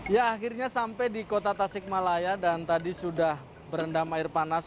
ya akhirnya sampai di kota tasikmalaya dan tadi sudah berendam air panas